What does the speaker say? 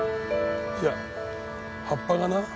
いや葉っぱがな